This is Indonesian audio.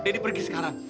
daddy pergi sekarang